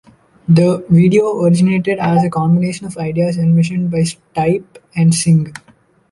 The video originated as a combination of ideas envisioned by Stipe and Singh.